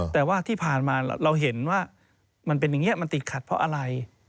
แต่ว่าที่ผ่านมาเราเห็นว่ามันเป็นอย่างนี้มันติดขัดเพราะอะไร